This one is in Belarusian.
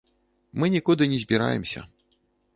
Мы нікуды не збіраемся.